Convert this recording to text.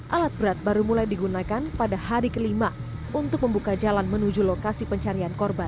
alat berat baru mulai digunakan pada hari kelima untuk membuka jalan menuju lokasi pencarian korban